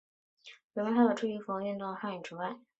人们还把注音符号运用到汉语以外。